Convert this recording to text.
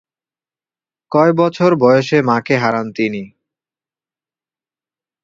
কয় বছর বয়সে মাকে হারান তিনি?